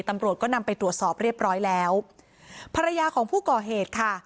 ตำรวจก็นำไปตรวจสอบเรียบร้อยแล้วภรรยาของผู้ก่อเหตุค่ะ